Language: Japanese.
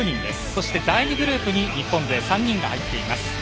そして第２グループに日本勢３人が入っています。